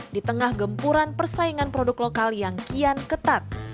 di tengah gempuran persaingan produk lokal yang kian ketat